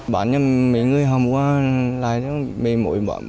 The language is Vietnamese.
bán cho mấy người họ mua